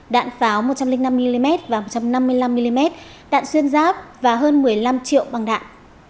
đạn pháo một trăm linh năm mm và một trăm năm mươi năm mm đạn xuyên giáp và hơn một mươi năm triệu bằng đạn